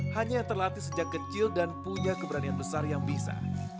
hanya yang terlatih sejak kecil dan punya keberanian besar yang bisa